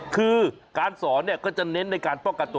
คือการสอนก็จะเน้นในการป้องกันตัว